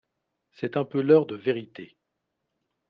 C’est un peu l’heure de vérité.